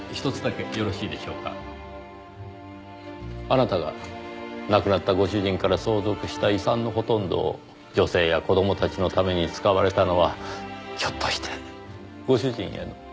あなたが亡くなったご主人から相続した遺産のほとんどを女性や子供たちのために使われたのはひょっとしてご主人への。